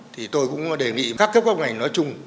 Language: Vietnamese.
thì tôi cũng đề nghị các cấp các ngành nói chung